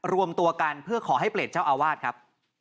รวมตัวกันเพื่อขอให้เปลี่ยนเจ้าอาวาสครับ